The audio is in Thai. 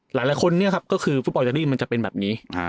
หลายคนก็คือฟุตบอลอัลเจอร์ลีมันจะเป็นแบบนี้